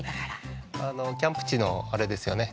キャンプ地のあれですよね。